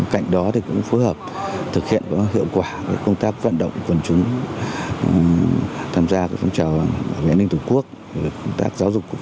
cạnh đó cũng phối hợp thực hiện hiệu quả công tác vận động quân chúng tham gia phong trào vệ an ninh tổ quốc công tác giáo dục phòng